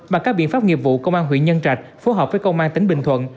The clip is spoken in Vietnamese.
bằng các biện pháp nghiệp vụ công an huyện nhân trạch phối hợp với công an tỉnh bình thuận